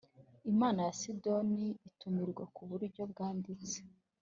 inama ya sinodi itumirwa ku buryo bwanditse